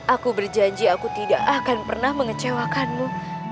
aku berjanji aku tidak akan pernah mengecewakanmu